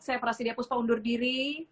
saya prasidia kuspa undur diri